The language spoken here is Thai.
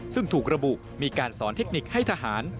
ซึ่งถูกระบุมีการสอนเทคนิคให้ทหาร